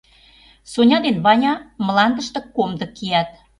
Соня ден Ваня мландыште комдык кият.